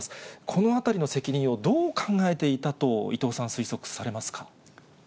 このあたりの責任をどう考えていたと、伊藤さんは推測されますか。